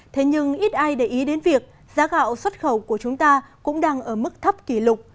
thế nhưng ít ai để ý đến việc giá gạo xuất khẩu của chúng ta cũng đang ở mức thấp kỷ lục